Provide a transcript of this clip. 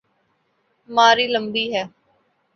ماری لمبی ہے۔